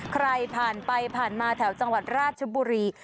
ใครผ่านไปผ่านมาแถวจังหวัดราชบุรี